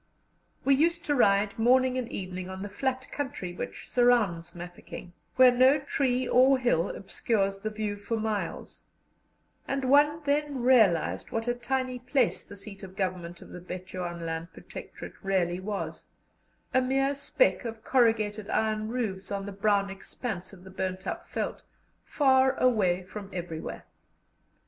We used to ride morning and evening on the flat country which surrounds Mafeking, where no tree or hill obscures the view for miles; and one then realized what a tiny place the seat of government of the Bechuanaland Protectorate really was, a mere speck of corrugated iron roofs on the brown expanse of the burnt up veldt, far away from everywhere.